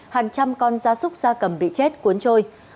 hàng trăm con da súc da cầm bị chết cuốn trôi